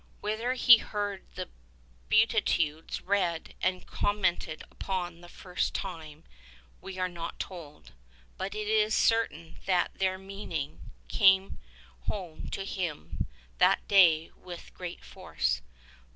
Whether he heard the Beatitudes read and commented upon for the first time we are not told; but it is certain that their meaning came home to him that day with great force.